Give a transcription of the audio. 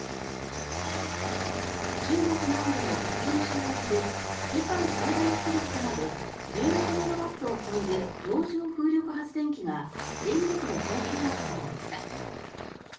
中国南部の福建省沖で世界最大出力となる１６メガワットを超える洋上風力発電機が電力の供給を始めました。